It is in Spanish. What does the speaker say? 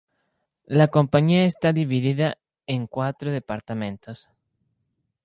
La compañía está dividida en cuatro departamentos.